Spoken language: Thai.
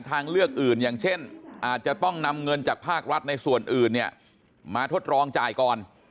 ทางเลือกอื่นอย่างเช่นอาจจะต้องนำเงินจากภาครัฐในส่วนอื่นเนี่ยมาทดลองจ่ายก่อน